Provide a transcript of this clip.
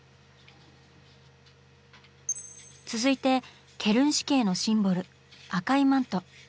続いてケルン市警のシンボル赤いマント。